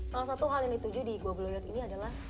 salah satu hal yang dituju di gua bloyon ini adalah